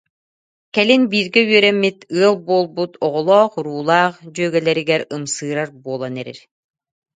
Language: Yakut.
Кэлин бииргэ үөрэммит, ыал буолбут, оҕолоох-уруулаах дьүөгэлэригэр ымсыырар буолан эрэр